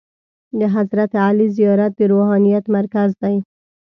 د حضرت علي زیارت د روحانیت مرکز دی.